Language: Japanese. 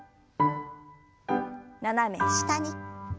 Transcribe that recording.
斜め下に。